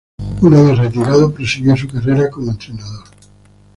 Una vez retirado, prosiguió su carrera como entrenador.